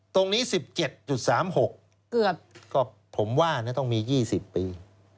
ตรงนี้๑๗๓๖ก็ผมว่าต้องมี๒๐ปี